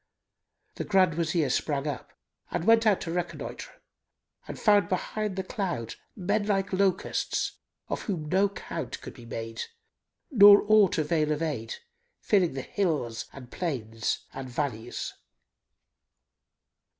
The Grand Wazir sprang up and went out to reconnoitre and found behind the cloud men like locusts, of whom no count could be made nor aught avail of aid, filling the hills and plains and valleys.